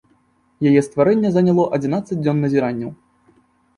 Яе стварэнне заняло адзінаццаць дзён назіранняў.